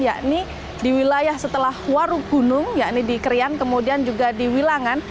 yakni di wilayah setelah waru gunung yakni di krian kemudian juga di wilangan